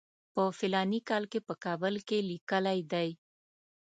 په فلاني کال کې په کابل کې لیکلی دی.